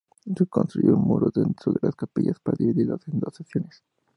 Se construyó un muro dentro de la capilla para dividirlo en dos secciones.